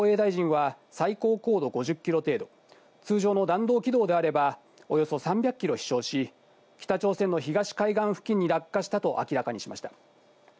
岸防衛大臣は最高高度５０キロ程度、通常の弾道軌道であればおよそ３００キロ飛翔し、北朝鮮の東海岸付近に落下したと明らかにしました。